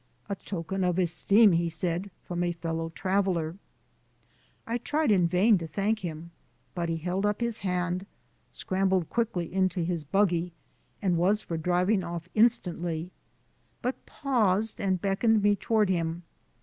"A token of esteem," he said, "from a fellow traveller." I tried in vain to thank him, but he held up his hand, scrambled quickly into his buggy, and was for driving off instantly, but paused and beckoned me toward him.